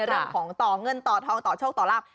เรื่องของต่อเงินต่อทองต่อโชคต่อลาบ